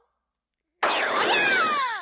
そりゃ！